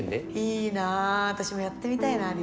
いいな私もやってみたいなＤＪ。